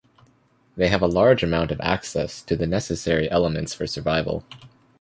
They have a large amount of access to the necessary elements for survival.